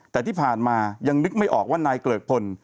แต่ที่ผ่านมายังนึกไม่ออกว่านายเกริกพล